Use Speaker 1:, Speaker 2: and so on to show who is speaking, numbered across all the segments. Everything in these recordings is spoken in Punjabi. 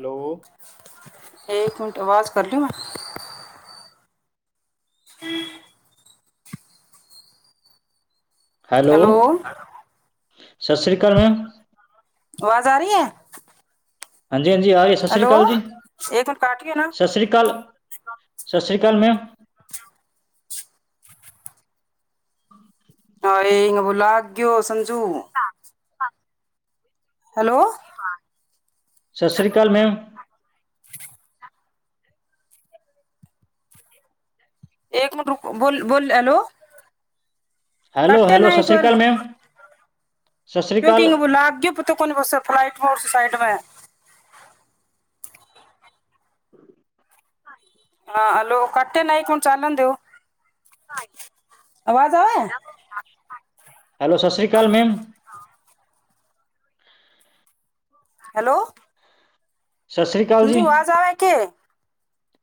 Speaker 1: ਹੈਲੋ।
Speaker 2: ਇੱਕ ਮਿੰਟ ਆਵਾਜ਼ ਕਰ ਲਂ ਮੈਂ।
Speaker 1: ਹੈਲੋ ਸਤਿ ਸ਼੍ਰੀ ਅਕਾਲ ਮੈਮ।
Speaker 2: ਆਵਾਜ਼ ਆ ਰਹੀ ਹੈ।
Speaker 1: ਹਾਂਜੀ ਹਾਂਜੀ ਅਰਹੀ ਹੈ ਸਤਿ ਸ੍ਰੀ ਅਕਾਲ ਜੀ, ਸਤਿ ਸ੍ਰੀ ਅਕਾਲ। ਸਤਿ ਸ਼੍ਰੀ ਅਕਾਲ ਮੈਮ।
Speaker 2: ਹ ਇਹਬੋ ਲਗਓ ਸਮਝੂ ਹੈਲੋ [unintelligible]
Speaker 1: ਸਤਿ ਸ਼੍ਰੀ ਅਕਾਲ ਮੈਮ।
Speaker 2: ਇੱਕ ਮਿੰਟ ਰੁਕੌ ਬੋਲ ਬੋਲ ਹੈਲੋ
Speaker 1: ਹੈਲੋ
Speaker 2: ਕਾਟਿਆ
Speaker 1: ਹੈਲੋ
Speaker 2: ਨਾ
Speaker 1: ਸਤਿ
Speaker 2: ਇਕ
Speaker 1: ਸ਼੍ਰੀ
Speaker 2: ਫੇਰ
Speaker 1: ਅਕਾਲ ਮੈਮ ਸਤਿ ਸ਼੍ਰੀ
Speaker 2: ਮੈਂ
Speaker 1: ਅਕਾਲ
Speaker 2: [unintelligible] ਹਾਂਲੋ ਕਕਟਯੋ ਨਾ ਇਕ ਮਿੰਟ ਚਾਲਣ ਦੇਓ ਆਵਾਜ਼ ਆ।
Speaker 1: ਹੈਲੋ ਸਤ ਸ਼੍ਰੀ ਅਕਾਲ ਮੈਮ।
Speaker 2: ਹੈਲੋ।
Speaker 1: ਸਤਿ ਸ਼੍ਰੀ ਅਕਾਲ ਜੀ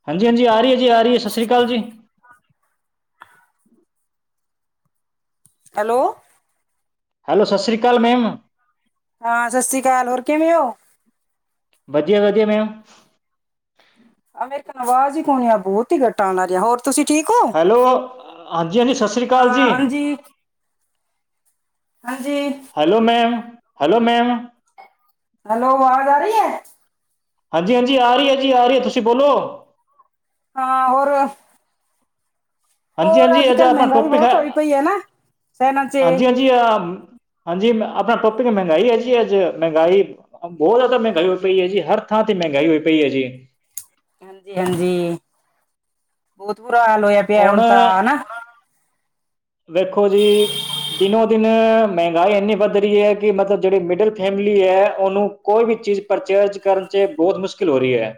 Speaker 1: ਹਾਂਜੀ ਹਾਂਜੀ ਆ ਰਹੀ ਹੈ ਜੀ ਆ ਰਹੀ ਹੈ ਸਤਿ ਸ਼੍ਰੀ ਅਕਾਲ ਜੀ।
Speaker 2: ਹੈਲੋ।
Speaker 1: ਹੈਲੋ ਸਤਿ ਸ਼੍ਰੀ ਅਕਾਲ ਮੈਮ।
Speaker 2: ਹਾਂ ਸਤਿ ਸ੍ਰੀ ਅਕਾਲ ਹੋਰ ਕਿਵੇਂ ਹੋ।
Speaker 1: ਵਧੀਆ ਵਧੀਆ ਮੈਮ।
Speaker 2: ਆ ਮੇਰੀ ਕਨ ਆਵਾਜ਼ ਹੀ ਕੋਨਾ ਆ ਬਹੁਤ ਹੀ ਘੱਟਾ ਆਉ ਰਿਹਾ ਹੋਰ। ਤੁਸੀਂ ਠੀਕ ਹੋ
Speaker 1: ਹੈਲੋ ਹਾਂਜੀ ਹਾਂਜੀ ਸਤਿ ਸ਼੍ਰੀ ਅਕਾਲ ਜੀ
Speaker 2: ਹਾਂ ਹਾਂਜੀ। ਹਾਂਜੀ।
Speaker 1: Hello ma'am hello ma'am.
Speaker 2: Hello ਆਵਾਜ਼ ਆ ਰਹੀ ਹੈ।
Speaker 1: ਹਾਂਜੀ ਹਾਂਜੀ ਆ ਰਹੀ ਹੈ ਜੀ ਆ ਰਹੀ ਹੈ ਤੁਸੀਂ ਬੋਲੋ।
Speaker 2: ਹਾਂ। ਹੋ
Speaker 1: ਹਾਂਜੀ ਹਾਂਜੀ
Speaker 2: ਅੱਜ
Speaker 1: ਅਜ
Speaker 2: ਕੱਲ
Speaker 1: ਆਪਣਾ
Speaker 2: ਮਹਿੰਗਾਈ
Speaker 1: ਟੋਪਿਕ ਹੈ
Speaker 2: ਬਹੁਤ ਹੋਈ ਪਈ ਨਾ ਸ਼ਹਿਰਾਂ ਚ
Speaker 1: ਹਾਂਜੀ ਹਾਜੀ। ਹਾਂਜੀ ਆਪਣਾ ਟੋਪਿਕ ਮਹਿੰਗਾਈ ਹੈ ਜੀ ਅੱਜ ਮਹਿੰਗਾਈ ਬਹੁਤ। ਤਾਂ ਮਹਿੰਗਾਈ ਹੋਈ ਪਈ ਹੈ ਜੀ
Speaker 2: ਹਾਂਜੀ
Speaker 1: ਹਰ ਥਾਂ ਤੇ ਮਹਿੰਗਾਈ ਹੋਈ ਪਈ ਹੈ ਜੀ।
Speaker 2: ਹਾਂਜੀ ਹਾਂਜੀ ਬਹੁਤ ਬੁਰਾ ਹਾਲ ਹੋਇਆ ਪਿਆ ਹੁਣ ਤਾਂ ਹਨਾ।
Speaker 1: ਵੇਖੋ ਜੀ ਦਿਨੋ ਦਿਨ ਮਹਿੰਗਾ। ਰਾਏ ਇੰਨੀ ਵੱਧ ਰਹੀ ਹੈ ਕਿ ਮਤਲਬ ਜਿਹੜੀ ਮਿਡਲ ਫੈਮਿਲੀ ਹੈ ਉਹਨੂੰ ਕੋਈ ਵੀ ਚੀਜ਼ ਪਰਚੇਜ ਕਰਨ। ਬਹੁਤ ਮੁਸ਼ਕਿਲ ਹੋ ਰਹੀ ਹੈ।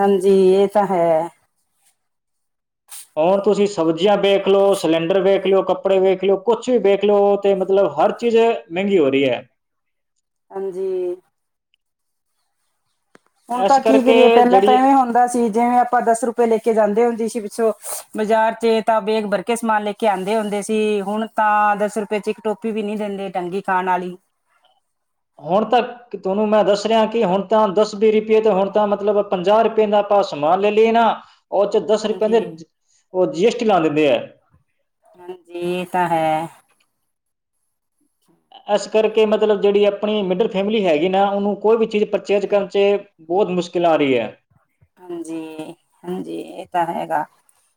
Speaker 2: ਹਾਂਜੀ। ਇਹ ਤਾਂ ਹੈ।
Speaker 1: ਹੁਣ ਤੁਸੀਂ ਸਬਜ਼ੀਆਂ ਵੇਖ ਲਓ, ਸਿਲੰਡਰ ਵੇਖ ਲਿਓ, ਕੱਪੜੇ ਵੇਖ ਲਿਓ, ਕੁਛ ਵੀ ਵੇਖ ਲਿਓ, ਤੇ ਮਤਲਬ ਹਰ ਚੀਜ਼ ਮਹਿੰਗੀ ਹੋ ਰਹੀ ਹੈ।
Speaker 2: ਹਾਂਜੀ। ਹੁਣ ਤਾਂ
Speaker 1: ਇਸ
Speaker 2: ਕੀ ਕਰੀਏ
Speaker 1: ਕਰਕੇ
Speaker 2: ਪਹਿਲਾਂ ਤਾਂ
Speaker 1: ਜਿਹੜੀ
Speaker 2: ਐਵੇਂ ਹੁੰਦਾ ਸੀ। ਜਿਵੇਂ ਆਪਾਂ ਦਸ ਰੁਪਏ ਲੈਕੇ ਜਾਂਦੇ ਹੁੰਦੇ ਸੀ। ਪਿੱਛੋਂ ਬਾਜ਼ਾਰ ਚ ਤਾਂ ਬੇਗ ਬਰਕੇ ਸਮਾਨ ਲੈਕੇ ਕਦੇ ਹੁੰਦੇ ਸੀ। ਹੁਣ ਤਾਂ ਦਸ ਰੁਪਏ ਚ ਇੱਕ ਟੋਫੀ ਵੀ ਨਹੀਂ ਦਿੰਦੇ ਢੰਗ ਦੀ ਖਾਣ ਵਾਲੀ।
Speaker 1: ਹੁਣ ਤੱਕ ਤੁਹਾਨੂੰ ਮੈਂ ਦੱਸ ਰਿਹਾ ਕਿ ਹੁਣ ਤਾਂ ਦਸ- ਵੀਹ ਰੁਪਏ ਤੇ ਹੁਣ ਤਾਂ ਮਤਲਬ ਪੰਜਾਹ ਰੁਪਏ ਦਾ ਆਪਾਂ ਸਮਾਨ ਲੈ ਲਈਏ ਨਾ। ਉਹ ਚ' ਦਸ ਰੁਪਏ ਦੇ
Speaker 2: ਹਾਂਜੀ
Speaker 1: ਉਹ ਜੀ ਐਸ ਟੀ ਲਾ ਦਿੰਦੇ ਹੈ।
Speaker 2: ਹਾਂਜੀ। ਇਹ ਤਾਂ ਹੈ।
Speaker 1: ਇਸ ਕਰਕੇ ਮਤਲਬ ਜਿਹੜੀ ਆਪਣੀ ਮਿਡਲ ਫੈਮਿਲੀ ਹੈਗੀ ਨਾ। ਉਹਨੂੰ ਕੋਈ ਵੀ ਚੀਜ਼ ਪਰਚੇਜ ਕਰਨ ਚੇ। ਬਹੁਤ ਮੁਸ਼ਕਿਲ ਆ ਰਹੀ ਹੈ।
Speaker 2: ਹਾਂਜੀ-ਹਾਂਜੀ ਇਹ ਤਾਂ ਹੈਗਾ।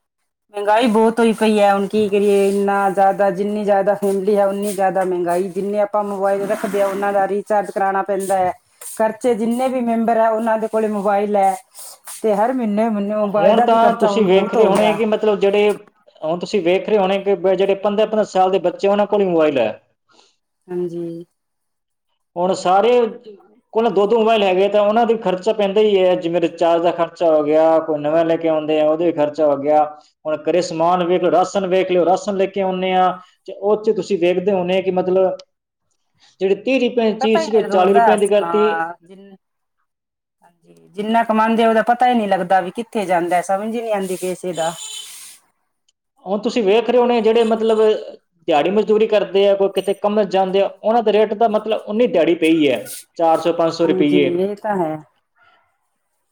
Speaker 1: ਹ [inaudible]
Speaker 2: ਮਹਿੰਗਾਈ ਬਹੁਤ ਹੋਈ ਪਈ ਹੈ। ਹੁਣ ਕੀ ਕਰੀਏ ਇੰਨਾ ਜ਼ਿਆਦਾ ਜਿੰਨੀ ਜ਼ਿਆਦਾ ਫੈਮਲੀ ਹੈ। ਉਨੀ ਜ਼ਿਆਦਾ ਮਹਿੰਗਾਈ ਜਿੰਨੀੇ ਆਪ ਆਪਾਂ ਮੋਬਾਇਲ ਰੱਖਦੇ ਹਾਂ। ਉਹਨਾਂ ਦਾ ਰੀਚਾਰਜ ਕਰਾਉਣਾ ਪੈਂਦਾ ਹੈ। ਖਰਚੇ ਜਿੰਨੇ ਵੀ ਮੈਂਬਰ ਹੈ। ਉਹਨਾਂ ਦੇ ਕੋਲ ਮੋਬਾਈਲ ਹੈ। ਤੇ ਹਰ ਮਹੀਨੇ- ਮਹੀਨੇ ਮੋਬਾਇਲ
Speaker 1: ਹੁਣ
Speaker 2: ਦਾ ਵੀ
Speaker 1: ਤਾਂ
Speaker 2: ਖਰਚਾ
Speaker 1: ਤੁਸੀਂ
Speaker 2: ਹੁਣ
Speaker 1: ਵੇਖ
Speaker 2: ਬਹੁਤ
Speaker 1: ਰਹੇ
Speaker 2: ਹੋ
Speaker 1: ਹੋਣੇ
Speaker 2: ਗਿਆ।
Speaker 1: ਕਿ ਮਤਲਬ ਜਿਹੜੇ, ਹੁਣ ਤੁਸੀਂ ਵੇਖ ਰਹੇ ਹੋਣੇ ਕਿ ਜਿਹੜੇ ਪੰਦਰਾਂ- ਪੰਦਰਾਂ ਸਾਲ ਦੇ ਬੱਚੇ ਉਹਨਾਂ ਕੋਲ ਹੀ ਮੋਬਾਈਲ ਹੈ।
Speaker 2: ਹਾਂਜੀ।
Speaker 1: ਹੁਣ ਸਾਰੇ ਕੋਲ ਦੋ- ਦੋ ਮੋਬਾਇਲ ਹੈਗੇ ਤਾਂ ਉਹਨਾਂ ਦਾ ਵੀ ਖਰਚਾ ਪੈਂਦਾ ਹੀ ਹੈ। ਜਿਵੇਂ ਰਿਚਾਰਜ ਦਾ ਖਰਚਾ ਹੋ ਗਿਆ। ਕੋਈ ਨਵੇਂ ਲੈ ਕੇ ਆਉਂਦੇ ਆ ਉਹੋਂ ਵੀ ਖਰਚਾ ਹੋ ਗਿਆ। ਹੁਣ ਘਰੇ ਸਮਾਨ ਵੇਖ ਲਓ ਰਾਸ਼ਨ ਵੇਖ ਲਿਓ, ਰਾਸ਼ਨ ਲੈ ਕੇ ਆਉਂਦੇ ਆ। ਤੇ ਉਹ ਚ' ਤੁਸੀਂ ਵੇਖਦੇ ਹੋਦੇ ਕਿ ਮਤਲਬ, ਜਿਹੜੀ ਤੀਰੀ ਹਰ ਚੀਜ ਸੀ ਕੋ ਚਾਲੀ ਰੁਪਇਆ ਦੀ ਕਰਤੀ।
Speaker 2: ਜਿੰਨੇ ਹਾਂ, ਜਿੰਨਾ ਕਮਾਉਦੇ ਉਹਦਾ ਪਤਾ ਹੀ ਨੀ ਲੱਗਦਾ ਵੀ ਕਿੱਥੇ ਜਾਂਦਾ ਸਮਝ ਨੀ ਆਉਂਦੀ ਇਸੇ ਚੀਜ ਦਾ।
Speaker 1: ਹੁਣ ਤੁਸੀਂ ਵੇਖ ਰਹੇ ਹੋ ਨੇ ਜਿਹੜੇ ਮਤਲਬ ਦਿਹਾੜੀ- ਮਜ਼ਦੂਰੀ ਕਰਦੇ ਆ ਕੋਈ ਕਿਤੇੇ ਕੰਮ ਜਾਂਦੇ ਆ। ਉਹਨਾਂ ਦੇ ਰੇਟ ਦਾ ਮਤਲਬ ਉਨੀ ਦਿਹਾੜੀ ਪਈ ਹੈ। ਚਾਰ ਸੌ- ਪੰਜ ਸੌ
Speaker 2: ਹਾਂਜੀ
Speaker 1: ਰੁਪਈਏ।
Speaker 2: ਇਹ ਤਾਂ ਹੈ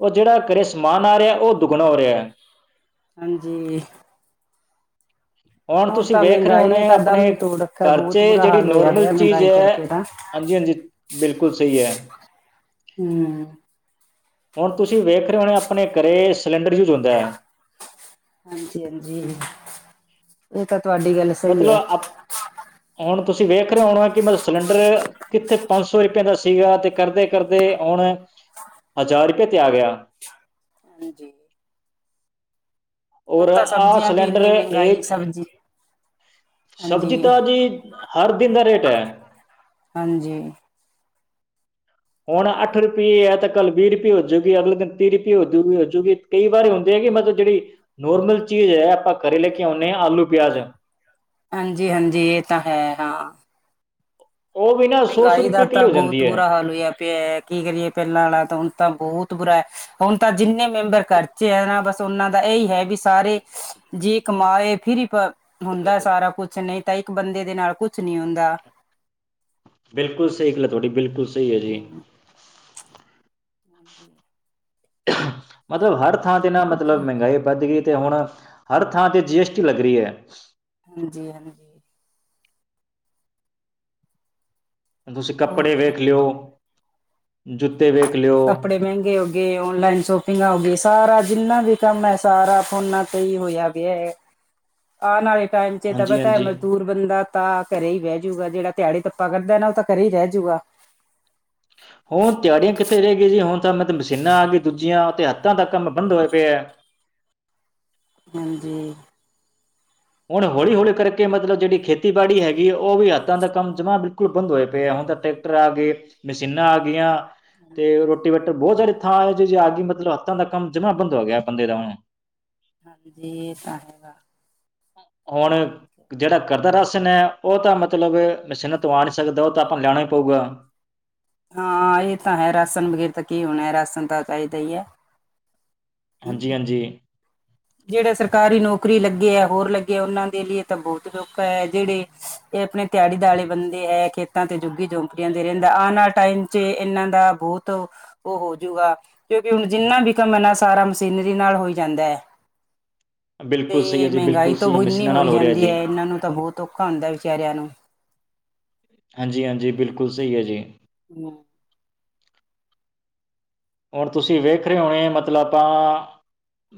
Speaker 1: ਉਹ ਜਿਹੜਾ ਘਰੇ ਸਮਾਨ ਆ ਰਿਹਾ ਉਹ ਦੁੱਗਣ ਹੋ ਰਿਹਾ।
Speaker 2: ਹਾਂਜੀ।
Speaker 1: ਹੁਣ ਤੁਸੀਂ
Speaker 2: ਤਾਂ
Speaker 1: ਵੇਖ ਰਹੇ
Speaker 2: ਮਹਿੰਗਾਈ ਨੇ
Speaker 1: ਹੋਣੇ
Speaker 2: ਤਾਂ
Speaker 1: ਆਪਣੇ,
Speaker 2: ਦਮ ਹੀ ਤੋੜ ਰੱਖਿਆ
Speaker 1: ਘਰ
Speaker 2: ਬਹੁਤ
Speaker 1: ਚ'
Speaker 2: ਬੁਰਾ
Speaker 1: ਜਿਹੜੀ
Speaker 2: ਹਾਲ ਹੋਇਆ
Speaker 1: ਨੋਰਮਲ
Speaker 2: ਪਿਆ
Speaker 1: ਚੀਜ਼
Speaker 2: ਮਹਿੰਗਾਈ
Speaker 1: ਹੈ।
Speaker 2: ਕਰਕੇ ਤਾਂ
Speaker 1: ਹਾਂਜੀ-ਹਾਂਜੀ। ਬਿਲਕੁਲ ਸਹੀ ਹੈ।
Speaker 2: ਹਮ
Speaker 1: ਹੁਣ ਤੁਸੀਂ ਵੇਖ ਰਹੇ ਹੋਣੇ ਆਪਣੇ ਘਰੇ ਸਿਲੰਡਰ ਯੂਜ ਹੁੰਦਾ ਹੈ।
Speaker 2: ਹਾਂਜੀ-ਹਾਂਜੀ ਇਹ ਤਾਂ ਤੁਹਾਡੀ ਗੱਲ ਸਹੀ ਹੈ
Speaker 1: ਮਤਲਬ ਅ, ਹੁਣ ਤੁਸੀਂ ਵੇਖ ਰਹੇ ਹੋਣਾ ਕਿ ਮਤਲਬ ਸਿਲੰਡਰ ਕਿੱਥੇ ਪੰਜ ਸੌ ਰੁਪਏ ਦਾ ਸੀਗਾ। ਤੇ ਕਰਦੇ-ਕਰਦੇ ਹੁਣ ਹਜ਼ਾਰ [unintelligible] ਤੇ ਆ ਗਿਆ।
Speaker 2: ਹਾਂ ਜੀ ਹੁਣ
Speaker 1: ਔਰ
Speaker 2: ਤਾਂ
Speaker 1: ਆਹ
Speaker 2: ਸਬਜ਼ੀਆਂ ਵੀ
Speaker 1: ਸਿਲੰਡਰ
Speaker 2: ਇੰਨੀ ਮਹਿੰਗਾਈ
Speaker 1: ਇਹ
Speaker 2: ਸਬਜ਼ੀ।
Speaker 1: ਸਬਜ਼ੀ
Speaker 2: ਹਾਂਜੀ
Speaker 1: ਤਾਂ ਜੀ, ਹਰ ਦਿਨ ਦਾ ਰੇਟ ਹੈ।
Speaker 2: ਹਾਂਜੀ
Speaker 1: ਹੁਣ
Speaker 2: ਠੀਕ ਹੈ
Speaker 1: ਅੱਠ ਰੁਪਈਏ ਤ ਕੱਲ ਵੀਹ ਰੁਪਏ ਹੋਜੂਗੀ। ਅਗਲੇ ਦਿਨ ਤੀਹ ਰੁਪਏ ਹੋਜੂਗੀ। ਹੋਜੂਗੀ ਕਈ ਵਾਰ ਹੁੰਦੇ ਹੈਗੇ ਮਤਲਬ ਜਿਹੜੀ ਨੋਰਮਲ ਚੀਜ਼ ਹੈ ਆਪਾਂ ਘਰੇ ਲੈ ਕੇ ਆਉਂਦੇ ਹਾਂ। ਆਲੂ, ਪਿਆਜ਼
Speaker 2: ਹਾਂਜੀ -ਹਾਂਜੀ ਇਹ ਤਾਂ ਹੈ। ਹਾਂ।
Speaker 1: ਉਹ ਵੀ ਨਾ
Speaker 2: ਮਹਿੰਗਾਈ ਦਾ
Speaker 1: ਰੁਪਏ
Speaker 2: ਤਾਂ
Speaker 1: ਕਿਲੋ ਹੋ
Speaker 2: ਬਹੁਤ
Speaker 1: ਜਾਂਦੀ ਹੈ
Speaker 2: ਬੁਰਾ ਹਾਲ ਹੋਇਆ ਪਿਆ। ਕੀ ਕਰੀਏ ਪਹਿਲਾਂ ਵਾਲਾ ਤਾਂ ਹੁਣ ਤਾਂ ਬਹੁਤ ਬੁਰਾ। ਹੁਣ ਤਾਂ ਜਿੰਨੇ ਮੈਂਬਰ ਘਰ ਚੇ' ਆ ਨਾ। ਬਸ ਉਹਨਾਂ ਦਾ ਇਹੀ ਹੈ ਵੀ ਸਾਰੇ ਜੇ ਕਮਾਏ ਫਿਰ ਹੁੰਦਾ ਸਾਰਾ ਕੁਛ ਨਹੀਂ ਤਾਂ ਇੱਕ ਬੰਦੇ ਦੇ ਨਾਲ ਕੁਛ ਨੀ ਹੁੰਦਾ।
Speaker 1: ਬਿਲਕੁਲ ਸਹੀ ਗੱਲ ਤੁਹਾਡੀ ਬਿਲਕੁਲ ਸਹੀ ਹੈ ਜੀ।
Speaker 2: ਹੂੰ ਹਾਂਜੀ। [inaudible]
Speaker 1: ਮਤਲਬ ਹਰ ਥਾਂ ਤੇ ਨਾ
Speaker 2: ਹੋਰ ਜੀ
Speaker 1: ਮਤਲਬ ਮਹਿੰਗਾਈ ਵੱਧ ਗਈ। ਤੇ ਹੁਣ ਹਰ ਥਾਂ ਤੇ ਜੀ ਐਸ ਟੀ ਲੱਗ ਰਹੀ ਹੈ।
Speaker 2: ਹਾਂਜੀ -ਹਾਂਜੀ
Speaker 1: ਤੁਸੀਂ
Speaker 2: ਹੋਰ
Speaker 1: ਕੱਪੜੇ
Speaker 2: ਜੀ
Speaker 1: ਵੇਖ ਲਿਓ ਜੁੱਤੇ ਵੇਖ ਲਿਓ
Speaker 2: ਕੱਪੜੇ ਮਹਿੰਗੇ ਹੋ ਗ ਔਨਲਾਈਨ ਸ਼ੋਪਿੰਗ ਹੋ ਗਈ ਸਾਰਾ ਜਿੰਨਾ ਵੀ ਕੰਮ ਹੈ ਸਾਰਾ ਫੋਨਾਂ ਤੇ ਹੀ ਹੋਇਆ ਗਿਆ।
Speaker 1: [inaudible]
Speaker 2: ਆਉਣ ਵਾਲੇ ਟਾਈਮ ਚ ਤਾਂ
Speaker 1: ਹਾਂਜੀ
Speaker 2: ਪਤਾਏ
Speaker 1: ਹਾਂਜੀ
Speaker 2: ਮਜ਼ਦੂਰ ਬੰਦਾ ਤਾਂ ਘਰੇ ਹੀ ਬਹਿ ਜੂਗਾ ਜਿਹੜਾ ਦਿਆੜੀ ਤੱਪਾ ਕਰਦਾ ਨਾ ਉਹ ਤਾਂ ਘਰੇ ਹੀ ਰਹਿ ਜੂਗਾ
Speaker 1: ਹੁਣ ਤਹਾੜੀਆਂ ਕਿੱਥੇ ਰਹਿ ਗਈ ਜੀ ਹੁਣ ਤਾਂ ਮੈਂ ਤੇ ਮਸ਼ੀਨਾਂ ਆ ਗਈ ਦੂਜੀਆਂ ਤੇ ਹੱਥਾਂ ਤੱਕ ਕੰਮ ਬੰਦ ਹੋਏ ਪਿਆ ਹੈ
Speaker 2: ਹਾਂਜੀ
Speaker 1: ਹੁਣ ਹੌਲੀ -ਹੌਲੀ ਕਰਕੇ ਮਤਲਬ ਜਿਹੜੀ ਖੇਤੀਬਾੜੀ ਹੈਗੀ ਹੈ ਉਹ ਵੀ ਹੱਥਾਂ ਦਾ ਕੰਮਾ ਬਿਲੁਲ ਬੰਦ ਹੋਏ ਪਏ ਆ ਹੁਣ ਤਾਂ ਟਰੈਕਟਰ ਆ ਗਏ ਮਸ਼ੀਨਾਂ ਆ ਗਈਆਂ ਤੇ ਰੋਟੀ ਵ ਬਹੁਤ ਸਾਰੀ ਥਾਂ ਆ ਜ ਜੇ ਆ ਗ ਮਤਲਬ ਹੱਥਾਂ ਦਾ ਕੰਮ ਜਮਾਂ ਬੰ ਹੋ ਗਿਆ ਬੰਦੇ ਦਾ ਹੁਣ।
Speaker 2: ਹਾਂਜੀ ਇਹ ਤਾਂ ਹੈਗਾ
Speaker 1: ਹੁਣ ਜਿਹੜਾ ਘਰਦਾ ਰਾਸ਼ਨ ਹੈ ਉਹ ਤਾਂ ਮਤਲਬ ਮਸ਼ੀਨਾਂ ਤੋਂ ਆ ਨਹੀਂ ਸਕਦਾ ਉਹ ਤਾਂ ਆਪਾਂ ਲੈਣਾ ਹੀ ਪਊਗਾ।
Speaker 2: ਹਾਂ ਇਹ ਤਾਂ ਹੈ ਰਾਸ਼ਨ ਵਗੈਰਾ ਤਾਂ ਕੀ ਹੋਣਾ ਹੈ ਰਾਸ਼ਨ ਤਾਂ ਚਾਹੀਦਾ ਹੀ ਹੈ।
Speaker 1: ਹਾਂਜੀ -ਹਾਂਜੀ
Speaker 2: ਜਿਹੜੇ ਸਰਕਾਰੀ ਨੌਕਰੀ ਲੱਗੇ ਹੈ ਹੋਰ ਲੱਗੇ ਉਹਨਾਂ ਦੇ ਲਈ ਤਾਂ ਬਹੁਤ ਸੋਖਾ ਹੈ ਜਿਹੜੇ ਇਹ ਆਪਣੇ ਦਿਹਾੜੀ ਦਲੇ ਬੰਦੇ ਹੈ ਖੇਤਾਂ ਤੇ ਜੁੱਗੀ ਝੋਪੜੀਆਂ ਦੇ ਰਹਿੰਦਾ ਆਉਣ ਵਾਲਾ ਟਾਈਮ ਜ ਇਹਨਾਂ ਦਾ ਬਹੁਤ ਉਹ ਹੋਜੂਗਾ ਕਿਉਂਕਿ ਹੁਣ ਜਿੰਨਾ ਵੀ ਕੰਮ ਹੈਨਾ ਸਾਰਾ ਮਸ਼ੀਨਰੀ ਨਾਲ ਹੋਈ ਜਾਂਦਾ ਹੈ।
Speaker 1: ਬਿਲਕੁਲ ਸਹੀ ਹੈ
Speaker 2: ਤੇ
Speaker 1: ਜੀ
Speaker 2: ਮਹਿੰਗਾਈ
Speaker 1: ਬਿਲਕੁਲ ਸਹੀ ਹੈ
Speaker 2: ਤੋਂ ਇੰਨੀ
Speaker 1: ਮਸ਼ੀਨਾਂ ਨਾਲ
Speaker 2: ਹੋਈ
Speaker 1: ਹੋ ਰਿਹਾ
Speaker 2: ਜਾਂਦੀ
Speaker 1: ਜੀ
Speaker 2: ਹੈ ਇਹਨਾਂ ਨੂੰ ਤਾਂ ਬਹੁਤ ਔਖਾ ਹੁੰਦਾ ਵਿਚਾਰਿਆਂ ਨੂੰ
Speaker 1: ਹਾਂਜੀ -ਹਾਂਜੀ ਬਿਲਕੁਲ ਸਹੀ ਹੈ ਜੀ
Speaker 2: ਹਮ?
Speaker 1: ਹੁਣ ਤੁਸੀਂ ਵੇਖ ਰਹੇ ਹੋਣੇ ਮਤਲਬ ਆਪਾਂ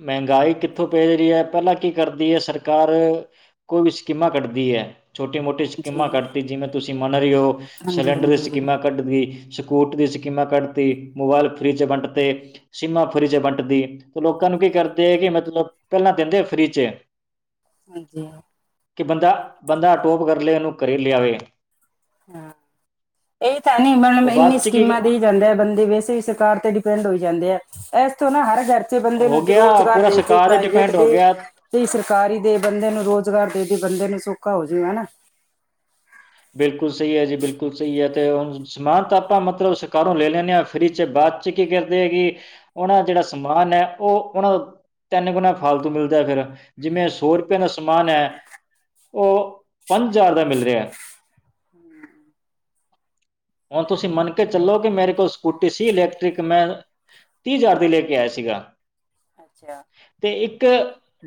Speaker 1: ਮਹਿੰਗਾਈ ਕਿੱਥੋਂ ਪੈ ਰਹੀ ਹੈ ਪਹਿਲਾਂ ਕੀ ਕਰਦੀ ਹੈ ਸਰਕਾਰ‌। ਕੋਈ ਵੀ ਸਕੀਮਾ ਕੱਢਦੀ ਹੈ। ਛੋਟੀ ਮੋਟੀ
Speaker 2: ਹਾਂਜੀ,
Speaker 1: ਸਕੀਮਾਂ ਕੱਢਤੀ ਜਿਵੇਂ ਤੁਸੀਂ ਮੰਨ ਰਹੇ ਹੋ
Speaker 2: ਹਾਂਜੀ,
Speaker 1: ਸਿਲੰਡਰ ਦੀ
Speaker 2: ਹਾਂਜੀ,
Speaker 1: ਸਕੀਮਾਂ ਕੱਢਤੀ ਸਕੂਟ ਦੀ ਸਕੀਮਾਂ ਕੱਢਤੀ ਮੋਬਾਇਲ ਫਰਿੱਜ ਵੰਡਤੇ। ਸੀਮਾ ਫਰੀ ਚਵੰਟਦੀ ਤੇ ਲੋਕਾਂ ਨੂੰ ਕੀ ਕਰਦੇ ਹੈ ਕਿ ਮਤਲਬ ਪਹਿਲਾਂ ਦਿੰਦੇ ਫਰੀ ਚ [inaudible]
Speaker 2: । [unintelligible]
Speaker 1: ਕਿ ਬੰਦਾ ਬੰਦਾ [unintelligible] ਕਰ ਲਏ ਇਹਨੂੰ ਕਰੇ ਲਿਆਵੇ
Speaker 2: ਹਾਂ ਇਹ ਤਾਂ ਨੀ ਮਤਲਬ
Speaker 1: ਉਹ
Speaker 2: ਇੰਨੀ
Speaker 1: ਬਾਅਦ 'ਚ ਕੀ
Speaker 2: ਸਕੀਮਾਂ ਦੀ ਜਾਂਦੇ ਬੰਦੇ ਵੈਸੇ ਵੀ ਸਰਕਾਰ ਤੇ ਡਿਪੈਂਡ ਹੋ ਜਾਂਦੇ ਆ ਇਸਥੋਂ ਨਾ ਹਰ ਘਰ ੱਚੇ ਬੰਦੇ ਨੂੰ
Speaker 1: ਹੋ ਗਿਆ
Speaker 2: ਰੁਜ਼ਗਾਰ
Speaker 1: ਪੂਰਾ
Speaker 2: ਦੇ ਤੇ
Speaker 1: ਸਰਕਾਰ
Speaker 2: ਪ੍ਰਾਈਵੇਟ
Speaker 1: ਡਿਪੈਂਡ ਹੋ
Speaker 2: ਦੇ
Speaker 1: ਗਿਆ
Speaker 2: ਜਈ ਸਰਕਾਰੀ ਦੇ ਬੰਦੇ ਨੂੰ ਰੁਜ਼ਗਾਰ ਦੇ ਦੀ ਬੰਦੇ ਨੂੰ ਸੌਖਾ ਹੋ ਜੂਗਾ ਹਨਾ।
Speaker 1: ਬਿਲਕੁਲ ਸਹੀ ਹੈ ਜੀ, ਬਿਲਕੁਲ ਸਹੀ ਹੈ ਤੇ ਉਸ। ਸਮਾਨ ਤਾਂ ਆਪਾਂ ਮਤਲਬ ਸਰਕਾਰੋਂ ਲੈ ਲੈਂਦੇ ਹਾਂ ਫਰੀ 'ਚ ਬਾਅਦ 'ਚ ਕੀ ਕਰਦੇ ਹੈਗੇ। ਉਹਨਾਂ ਦਾ ਜਿਹੜਾ ਸਮਾਨ ਹੈ ਉਹ ਉਹਨਾਂ ਦਾ ਤਿੰਨ ਗੁਣਾ ਫਾਲਤੂ ਮਿਲਦਾ ਫਿਰ ਜਿਵੇਂ ਸੌ। ਰਪਏ ਦਾ ਸਮਾਨ
Speaker 2: ਹਾਂਜੀ
Speaker 1: ਏ ਉਹ ਪੰਜ ਹਜ਼ਾਰ ਦਾ ਮਿਲ ਰਿਹਾ।
Speaker 2: ਹਾਂ।
Speaker 1: ਹੁਣ ਤੁਸੀਂ ਮੰਨ ਕੇ ਚੱਲੋ ਕਿ
Speaker 2: ਹੈ
Speaker 1: ਮੇਰੇ ਕੋਸ। ਸਕੂਟੀ ਸੀ ਇਲੈਕਟ੍ਰਿਕ ਮੈਂ ਤੀਹ ਹਜ਼ਾਰ ਦੀ ਲੈ ਕੇ ਆਇਆ ਸੀਗਾ।
Speaker 2: ਅੱਛਾ!
Speaker 1: ਤੇ ਇੱਕ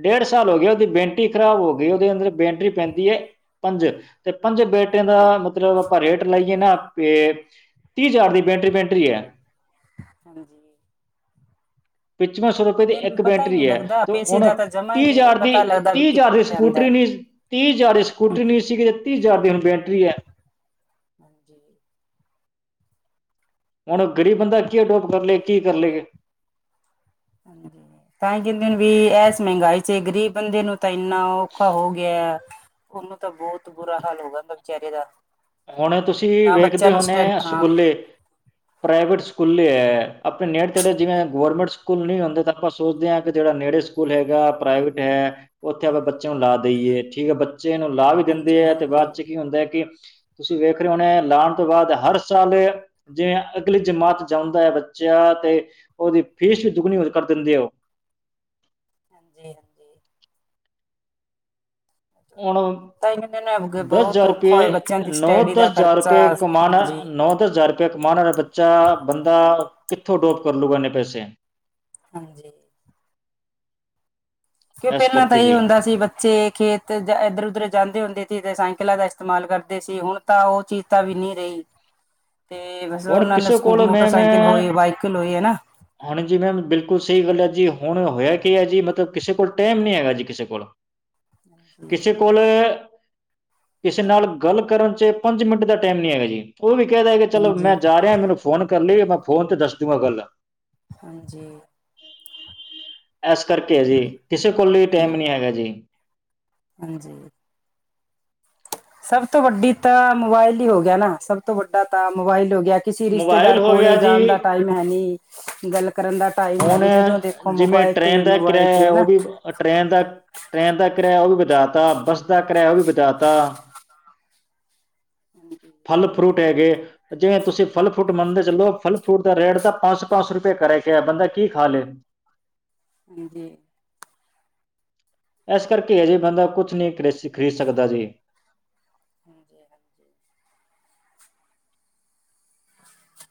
Speaker 1: ਡੇਢ ਸਾਲ ਹੋ ਗਿਆ ਉਹਦੀ ਬੈਂਟਰੀ ਖ਼ਰਾਬ ਹੋ ਗਈ ਉਹਦੇ ਅੰਦਰ ਬੈਂਟਰੀ ਪੈਂਦੀ ਹੈ। ਪੰਜ ਤੇ ਪੰਜ ਬੈਟਰੀਆਂ
Speaker 2: ਹਾਂਜੀ ਹਾਂਜੀ ਹਾਂਜੀ
Speaker 1: ਦਾ ਮੱਤਲਬ ਰੇਟ ਲਾਈਏ ਨਾ ਪੇ ਤੀਹ ਹਜ਼ਾਰ ਦੀ ਬੈਂਟਰੀ-ਬੈਂਟਰੀ ਏ।
Speaker 2: ਹਾਂਜੀ।
Speaker 1: ਪਚੱਨਵੇਂ ਸੌ ਰੁਪਏ ਦੀ
Speaker 2: ਕਹਿੰਦੇ ਨੇ ਵੀ
Speaker 1: ਇੱਕ
Speaker 2: ਪਤਾ ਹੀ
Speaker 1: ਬੈਟਰੀ
Speaker 2: ਨਹੀਂ
Speaker 1: ਏ
Speaker 2: ਲੱਗਦਾ
Speaker 1: ਤੇ
Speaker 2: ਪੈਸੇ
Speaker 1: ਹੁਣ
Speaker 2: ਦਾ ਤਾਂ ਜਮਾ ਹੀ
Speaker 1: ਤੀਹ
Speaker 2: ਨਹੀਂ
Speaker 1: ਹਜ਼ਾਰ ਦੀ
Speaker 2: ਪਤਾ ਲੱਗਦਾ ਵੀ
Speaker 1: ਤੀਹ ਹਜ਼ਾਰ ਦੀ
Speaker 2: ਕਿੱਥੇ ਆਂਦਾ
Speaker 1: ਸਕੂਟਰੀ
Speaker 2: ਹੈ।
Speaker 1: ਨੀਂ। ਤੀਹ ਹਜ਼ਾਰ ਦੇ ਸਕੂਟਰੀ ਨਹੀਂ ਸੀਗੀ ਤੇ ਤੀਹ ਹਜ਼ਾਰ ਦੀ ਹੁਣ ਬੈਟਰੀ ਐ।
Speaker 2: [inaudible]
Speaker 1: ਹੁਣ ਗਰੀਬ ਬੰਦਾ ਕੀ ਅਡੋਪ ਕਰ ਲਏ ਕੀ ਕਰ ਲਏਗਾ।
Speaker 2: ਹਾਂਜੀ ਤਾਂ ਹੀ ਕਹਿੰਦੇ ਵੀ ਇਸ ਮਹਿੰਗਾਈ ਚ ਗ਼ਰੀਬ ਬੰਦੇ ਨੂੰ। ਤਾਂ ਇੰਨਾ ਔਖਾ ਹੋ ਗਿਆ ਉਹਨੂੰ ਤਾਂ ਬਹੁਤ ਬੁਰਾ ਹਾਲ ਹੋਗਾ ਵਿਚਾਰੇ ਦਾ।
Speaker 1: ਹੁਣ ਤੁਸੀਂ
Speaker 2: ਨਾ ਬੱਚਿਆਂ
Speaker 1: ਵੇਖਦੇ
Speaker 2: ਨੂੰ
Speaker 1: ਹੁੰਨੇ
Speaker 2: ਸਟੈ ਹਾਂ
Speaker 1: ਸਕੂਲੇ ਪ੍ਰਾਈਵੇਟ ਸਕੂਲੇ ਏ ਆਪਣੇ ਨੇੜੇ ਤੇੜੇ ਜਿਵੇਂ ਗੋਰਮੈਂਟ ਸਕੂਲ ਨਹੀਂ ਹੁੰਦੇ ਤਾਂ। ਆਪਾਂ ਸੋਚਦੇ ਆਂ ਕਿ ਜਿਹੜਾ ਨੇੜੇ ਸਕੂਲ ਹੈਗਾ ਪ੍ਰਾਈਵੇਟ ਹੈ। ਉੱਥੇ ਆਪਾਂ ਬੱਚਿਆਂ ਨੂੰ ਲਾ ਦੇਈਏ ਠੀਕ ਆ ਬੱਚੇ ਨੂੰ ਲਾ ਵੀ ਦਿੰਦੇ
Speaker 2: ਹਾਂਜੀ
Speaker 1: ਹੈ ਤੇ
Speaker 2: ਹਾਂਜੀ
Speaker 1: ਬਾਅਦ 'ਚ ਕੀ ਹੁੰਦਾ ਹੈ ਕਿ। ਤੁਸੀਂ ਵੇਖ ਰਹੇ ਹੋ ਨੇ ਲਾਉਣ ਤੋਂ ਬਾਅਦ ਹਰ ਸਾਲ ਏ। ਜੇ ਅਗਲੀ ਜਮਾਤ ਜਾਂਉਂਦਾ ਏ ਬੱਚਾ ਤੇ ਉਹਦੀ ਫੀਸ ਵੀ ਦੁੱਗਣੀ ਹੋਰ ਕਰ ਦਿੰਦੇ ਉਹ।
Speaker 2: [unintelligible]
Speaker 1: ਹੁਣ
Speaker 2: ਤਾਂ ਇਹਨਾਂ
Speaker 1: ਦਸ
Speaker 2: ਬਹੁਤ
Speaker 1: ਹਜ਼ਾਰ
Speaker 2: ਔਖਾ
Speaker 1: ਰੁਪਏ
Speaker 2: ਹੋਇਆ ਬੱਚਿਆਂ ਦੀ
Speaker 1: ਨੌ
Speaker 2: ਸਟੱਡੀ ਦਾ
Speaker 1: ਦਸ ਹਜ਼ਾਰ
Speaker 2: ਖਰਚਾ
Speaker 1: ਰੁਪਏ ਕਮਉਣਾ
Speaker 2: ਹਾਂਜੀ
Speaker 1: ਨੌ ਦਸ ਹਜ਼ਾਰ ਰੁਪਏ। ਕਮਾਣਾ ਬੱਚਾ, ਬੰਦਾ ਕਿੱਥੋਂ ਡੋਪ ਕਰ ਲੂਗਾ ਇਹਨੇ ਪੈਸੇ।
Speaker 2: । [unintelligible] ਕਿਉਂ
Speaker 1: ਇਸ
Speaker 2: ਪਹਿਲਾਂ ਤਾਂ
Speaker 1: ਕਰਕੇ
Speaker 2: ਇ
Speaker 1: ਜੀ
Speaker 2: ਹੁੰਦਾ ਸੀ ਬੱਚੇ ਖੇਤ। ਤੇ ਇਧਰ ਉਧਰ ਜਾਂਦੇ ਹੁੰਦੇ ਸੀ ਤੇ ਸਾਇਕਲਾਂ ਦਾ ਇਸਤੇਮਾਲ ਕਰਦੇ ਸੀ ਹੁਣ ਤਾਂ ਉਹ ਚੀਜ਼ ਤਾਂ ਵੀ ਨਹੀਂ ਰਹੀ।
Speaker 1: [unintelligible] [inaudible]
Speaker 2: ਤੇ ਬਸ
Speaker 1: ਹੁਣ
Speaker 2: ਉਹਨਾਂ ਨੇ
Speaker 1: ਕਿਸੇ
Speaker 2: ਸਕੂ
Speaker 1: ਕੋਲ ਮੈਮ
Speaker 2: ਮੋਟਰਸਾਈਕਲ ਹੋਏ ਬਾਈਕਲ ਹੋਏ ਹਨਾ।
Speaker 1: ਹੁਣ ਜੀ ਮੈਮ ਬਿਲਕੁਲ ਸਹੀ ਗੱਲ ਹੈ ਜੀ ਹੁਣ ਹੋਇਆ ਕੀ ਹੈ ਜੀ ਮਤਲਬ ਕਿਸੇ ਕੋਲ ਟਾਈਮ ਨਹੀਂ ਹੈਗਾ ਜੀ ਕਿਸੇ ਕੋਲ।
Speaker 2: ਹਾਂਜੀ
Speaker 1: ਕਿਸੇ ਕੋਲ ਕਿਸੇ ਨਾਲ ਗੱਲ ਕਰਨ 'ਚ ਪੰਜ ਮਿੰਟ ਦਾ ਟਾਈਮ ਨੀ ਹੈਗਾ ਜੀ। ਉਹ ਵੀ ਕਹਿ ਦਿਆਂ ਕਿ ਚਲੋ ਮੈਂ
Speaker 2: ਹਾਂਜੀ
Speaker 1: ਜਾ ਰਿਹਾ, ਮੈਨੂੰ ਫੋਨ ਕਰ ਲਈ ਮੈਂ ਫੋਨ ਤੇ ਦੱਸ ਜੂੰਗਾ ਗੱਲ।
Speaker 2: ਹਾਂਜੀ।
Speaker 1: ਇਸ ਕਰਕੇ ਆ ਜੀ ਕਿਸੇ ਕੋਲੇ
Speaker 2: ਹਾਂ
Speaker 1: ਟਾਈਮ ਨੀ ਹੈਗਾ ਜੀ।
Speaker 2: ਹਾਂਜੀ। [inaudible] ਸਭ ਤੋਂ ਵੱਡੀ ਤਾਂ ਮੋਬਾਇਲ ਹੀ ਹੋ ਗਿਆ ਨਾ, ਸਭ ਤੋਂ ਵੱਡਾ ਤਾਂ ਮੋਬਾਇਲ ਹੋ ਗਿਆ। ਕਿਸੇ ਰਿਸ਼ਤੇਦਾਰ
Speaker 1: ਮੋਬਾਈਲ ਹੋ ਗਿਆ
Speaker 2: ਕੋਲੇ
Speaker 1: ਜੀ
Speaker 2: ਜਾਣ ਦਾ ਟਾਈਮ ਹੈ ਨਹੀਂ ਗੱਲ। ਕਰਨ ਦਾ ਟਾਈਮ ਹੈ
Speaker 1: ਹੁਣ
Speaker 2: ਨੀ ਜਦੋਂ ਦੇਖੋ
Speaker 1: ਜਿਵੇਂ
Speaker 2: ਮੋਬਾਇਲ
Speaker 1: ਟ੍ਰੇਨ
Speaker 2: ਤੇ,
Speaker 1: ਦਾ
Speaker 2: ਮੋਬਾਇਲ
Speaker 1: ਕਿਰਾਇਆ
Speaker 2: ਤੇ
Speaker 1: ਹੈ, ਉਹ
Speaker 2: ਹਨਾ।
Speaker 1: ਵੀ ਟ੍ਰੇਨ ਦਾ, ਟ੍ਰੇਨ ਦਾ ਕਿਰਾਇਆ ਉਹ ਵੀ ਵਧਾ ਤਾਂ, ਬੱਸ ਦਾ ਕਿਰਾਇਆ ਉਹ ਵੀ ਵਧਾ ਤਾਂ।
Speaker 2: ਹਾਂਜੀ
Speaker 1: ਫਲ ਫਰੂਟ ਹੈਗੇ ਜਿਵੇਂ ਤੁਸੀਂ ਫਲ ਫਰੂਟ ਮੰਨਦੇ ਚਲੋ ਫਲ ਫਰੂਟ ਦਾ ਰੇਟ ਤਾਂ ਪੰਜ ਸੌ ਪੰਜ ਸੌ ਰੁਪਏ ਕਰੇਗੇ। ਬੰਦਾ ਕੀ ਖਾ ਲੈ।
Speaker 2: ਜੀ ਜੀ
Speaker 1: ਇਸ ਕਰਕੇ ਇਹਜੇ ਬੰਦਾ ਕੁਛ ਨਹੀਂ ਖ ਖਰੀਦ ਸਕਦਾ ਜੀ।
Speaker 2: ਹਾਂਜੀ ਹਾਂਜੀ। [unintelligible]